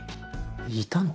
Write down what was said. いたの？